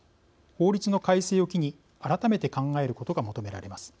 法律の改正を機に改めて考えることが求められます。